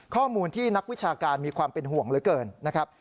ข้อมูลที่นักวิชาการมีความเป็นห่วงเหลือเกินนะครับ